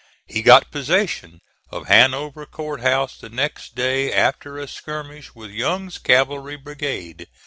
He got possession of Hanover Court House the next day after a skirmish with Young's cavalry brigade.